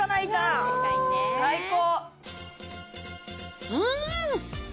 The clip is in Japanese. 最高！